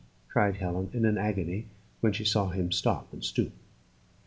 cried Helen, in an agony, when she saw him stop and stoop.